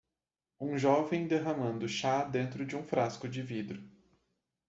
um jovem derramando chá dentro de um frasco de vidro.